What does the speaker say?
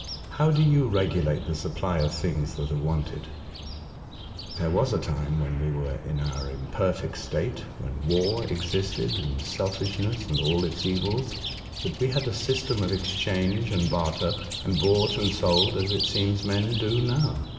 How do you regulate the supply of things that are wanted ?"'* There was a time, when we were in our imperfect state, when war existed, and selfish ness and all its evils, that we had a system of exchange and barter, and bought and sold, as it seems men do now.